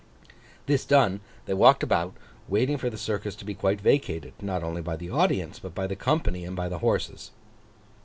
This done, they walked about, waiting for the Circus to be quite vacated; not only by the audience, but by the company and by the horses.